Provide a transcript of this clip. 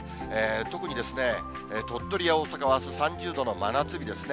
特に鳥取や大阪は、あす３０度の真夏日ですね。